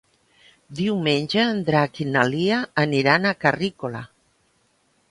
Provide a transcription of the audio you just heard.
Diumenge en Drac i na Lia aniran a Carrícola.